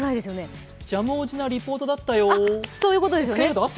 ジャムおじなリポートだったよ。